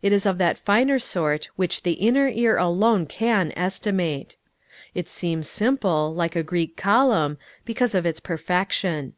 It is of that finer sort which the inner ear alone can estimate. It seems simple, like a Greek column, because of its perfection.